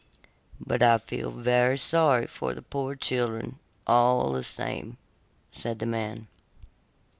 'But I feel very sorry for the poor children, all the same,' said the man.